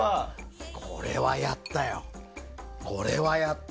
これはやったよ。